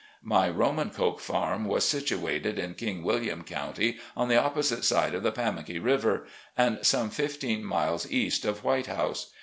My "Romancoke" farm was situated in King William County, on the opposite side of the Pamimkey River, and some fifteen miles east of "White House."